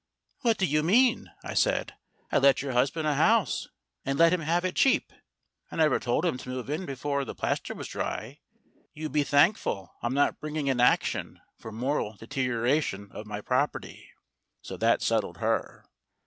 "What do you mean?" I said. "I let your husband a house, and let him have it cheap. I never told him to move in before the plaster was dry. You be thank ful I'm not bringing an action for moral deterioration of my property." So that settled her.